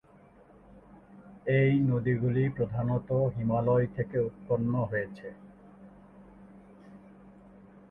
এই নদীগুলি প্রধানত হিমালয় থেকে উৎপন্ন হয়েছে।